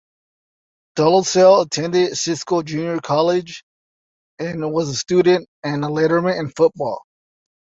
Dolezel attended Cisco Junior College and was a student and a letterman in football.